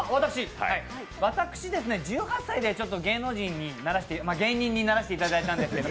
私、１８歳で芸能人に、まあ芸人にならせていただいたんですけど